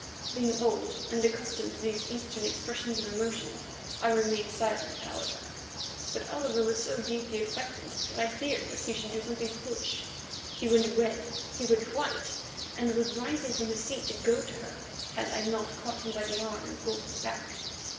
Being old and accustomed to these Eastern expressions of emotion, I remained silent, however; but Oliver was so deeply affected that I feared lest he should do something foolish. He went red, he went white, and was rising from his seat to go to her, had I not caught him by the arm and pulled him back.